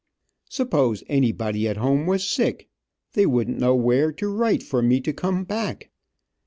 Suppose anybody at home was sick, they wouldn't know where to write for me to come back.